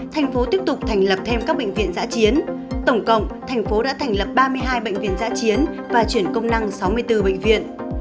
tổng cộng tp hcm đã thành lập ba mươi hai bệnh viện giã chiến và chuyển công năng sáu mươi bốn bệnh viện